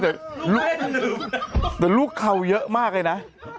แต่ลูกเขาเยอะมากเลยนะ